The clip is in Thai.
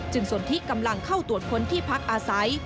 สนทิกำลังเข้าตรวจค้นที่พักอาศัย